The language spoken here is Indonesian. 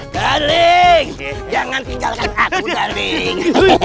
darling jangan kejalkan aku darling